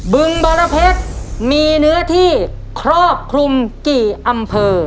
บึงบรเพชรมีเนื้อที่ครอบคลุมกี่อำเภอ